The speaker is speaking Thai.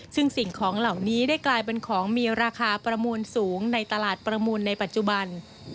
ซึ่งสิ่งของเหล่านี้ได้กลายเป็นของมีราคาประมูลสูงในตลาดประมูลในปัจจุบัน